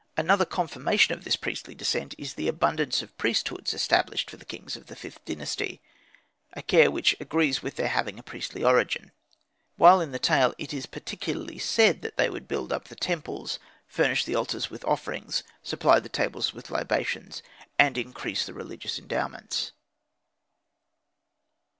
Another confirmation of this priestly descent is the abundance of priesthoods established for the kings of the Vth Dynasty; a care which agrees with their having a priestly origin; while in the tale it is particularly said that they would build up the temples, furnish the altars with offerings, supply the tables of libations, and increase the religious endowments.